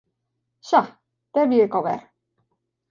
Sa, dêr wie ik al wer.